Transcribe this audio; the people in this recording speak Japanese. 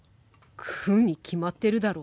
食うに決まってるだろ。